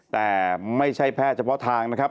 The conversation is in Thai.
แต่ไม่ใช่แพทย์เฉพาะทางนะครับ